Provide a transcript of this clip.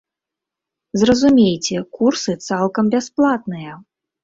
Зразумейце, курсы цалкам бясплатныя.